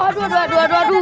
aduh aduh aduh aduh aduh